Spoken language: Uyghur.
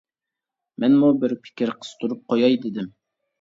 مەنمۇ بىر پىكىر قىستۇرۇپ قوياي دېدىم.